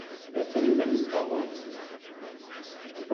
La tellmen taḍuft.